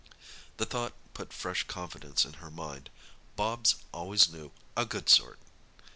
The thought put fresh confidence in her mind; Bobs always knew "a good sort."